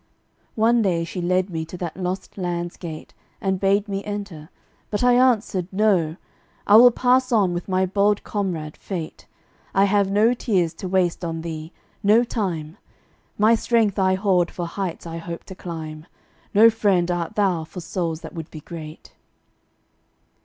One day she led me to that lost land's gate And bade me enter; but I answered "No! I will pass on with my bold comrade, Fate; I have no tears to waste on thee no time; My strength I hoard for heights I hope to climb: No friend art thou for souls that would be great."